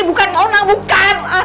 bukan mona bukan